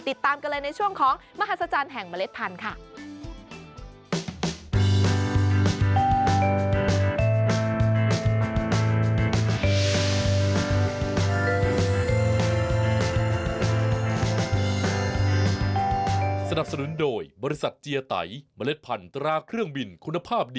ติดตามกันเลยในช่วงของมหัศจรรย์แห่งเมล็ดพันธุ์ค่ะ